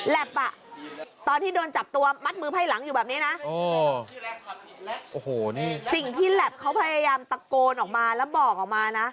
ตอนที่โดนจับตัวมัดมือไพ่หลังอยู่แบบนี้นะโอ้โหนี่สิ่งที่แหลปเขาพยายามตะโกนออกมาแล้วบอกออกมานะ